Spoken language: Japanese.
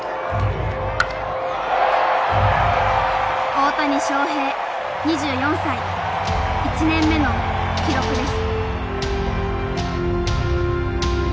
大谷翔平２４歳１年目の記録です。